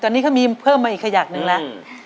ตอนนี้เขามีเพิ่มมาอีกขยักหนึ่งแล้ว